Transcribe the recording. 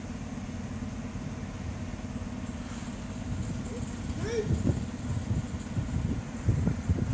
手をついて。